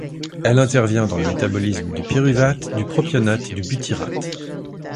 Elle intervient dans le métabolisme du pyruvate, du propionate et du butyrate.